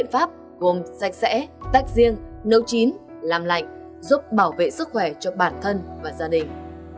pháp gồm sạch sẽ tách riêng nấu chín làm lạnh giúp bảo vệ sức khỏe cho bản thân và gia đình